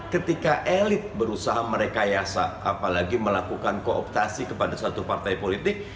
ketika elit berusaha merekayasa apalagi melakukan kooptasi kepada satu partai politik